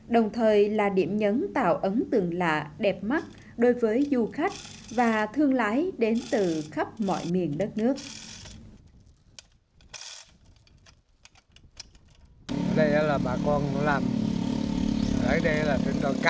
đồng thời là điểm nhấn tạo ấn tượng lạ đẹp mắt đối với du khách và thương lái đến từ khắp mọi nơi